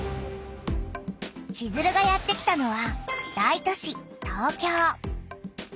チズルがやってきたのは大都市東京。